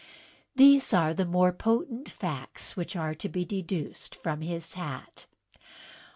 These are the more potent facts which are to be deduced from his hat.